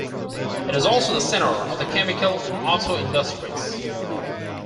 It is also the center of the chemical and auto industries.